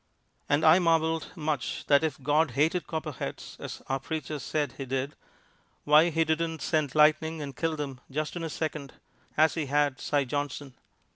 And I marveled much that if God hated Copperheads, as our preacher said He did, why He didn't send lightning and kill them, just in a second, as He had Si Johnson.